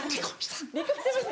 離婚した。